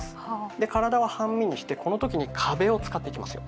で体は半身にしてこの時に壁を使っていきますよ。